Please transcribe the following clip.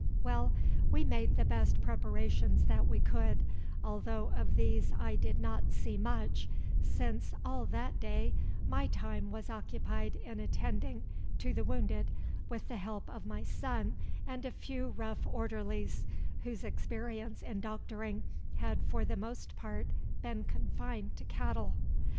Well, we made the best preparations that we could, although of these I did not see much, since all that day my time was occupied in attending to the wounded with the help of my son and a few rough orderlies, whose experience in doctoring had for the most part been confined to cattle.